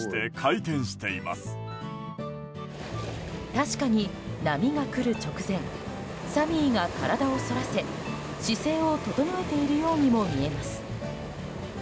確かに、波が来る直前サミーが体をそらせ姿勢を整えているようにも見えます。